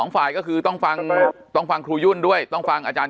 ฝ่ายก็คือต้องฟังต้องฟังครูยุ่นด้วยต้องฟังอาจารย์